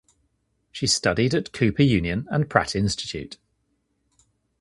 She studied at Cooper Union and Pratt Institute.